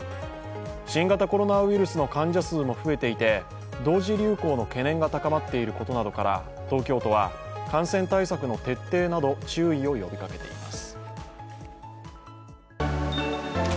新型コロナウイルスの患者数も増えていて同流行の懸念などが高まっていることから東京都は感染対策の徹底など注意を呼びかけています。